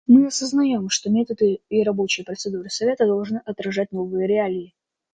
Мы осознаем, что методы и рабочие процедуры Совета должны отражать новые реалии.